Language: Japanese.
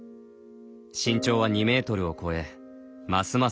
身長は２ｍを超えますます